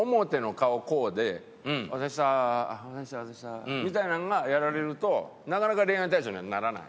こうで「お疲れっしたお疲れっした」みたいなんがやられるとなかなか恋愛対象にはならない。